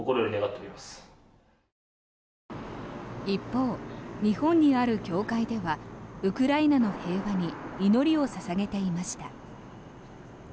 一方、日本にある教会ではウクライナの平和に祈りを捧げていました。